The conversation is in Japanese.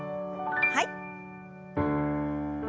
はい。